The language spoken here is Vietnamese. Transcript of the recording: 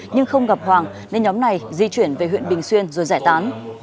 nhưng không gặp hoàng nên nhóm này di chuyển về huyện bình xuyên rồi giải tán